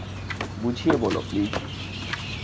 বুঝিয়ে বলো, প্লিজ।